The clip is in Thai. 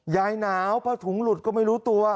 ยายหนาวพระถุงหลุดก็ไม่รู้ตัว